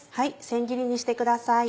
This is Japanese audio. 千切りにしてください。